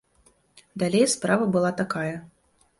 Далей справа была такая.